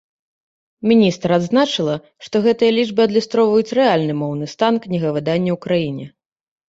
Міністр адзначыла, што гэтыя лічбы адлюстроўваюць рэальны моўны стан кнігавыдання ў краіне.